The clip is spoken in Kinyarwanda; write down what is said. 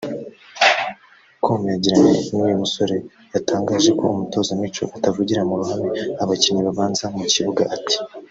com yagiranye n’uyu musore yatangaje ko umutoza Micho atavugira mu ruhame abakinnyi babanza mu kibuga ati